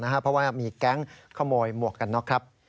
เพราะว่ามีแก๊งขโมยหมวกกันน็อกครับ